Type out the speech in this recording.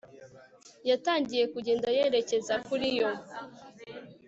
yatangiye kugenda yerekeza kuri yo